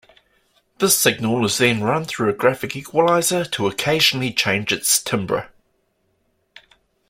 This signal is then run through a graphic equaliser to occasionally change its timbre.